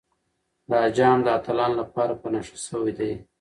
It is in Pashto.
دا جام د اتلانو لپاره په نښه شوی دی.